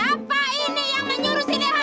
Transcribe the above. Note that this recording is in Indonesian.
siapa ini yang menyurusi dia